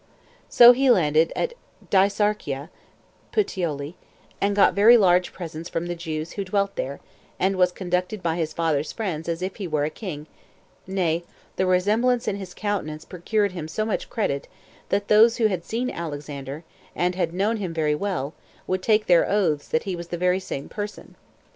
So he landed at Dicearchia, [Puteoli,] and got very large presents from the Jews who dwelt there, and was conducted by his father's friends as if he were a king; nay, the resemblance in his countenance procured him so much credit, that those who had seen Alexander, and had known him very well, would take their oaths that he was the very same person.